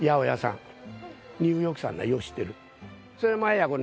ニューヨークさんよう知ってる。